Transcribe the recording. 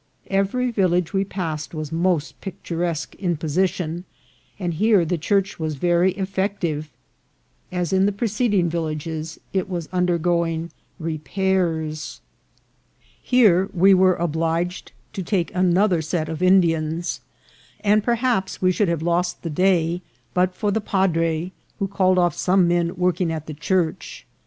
Every village we passed was most pictu resque in position, and here the church was very effect ive ; as in the preceding villages, it was undergoing re pairs. VOL. II.— L L 23 266 INCIDENTS OF TRAVEL. Here we were obliged to take another set of Indians, and perhaps we should have lost the day but for the padre, who called off some men working at the church.